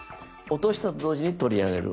落としたと同時に取り上げる。